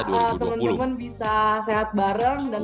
semoga teman teman bisa sehat bareng